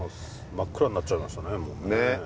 真っ暗になっちゃいましたね